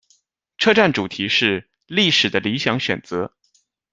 车站主题是「历史的理想选择」。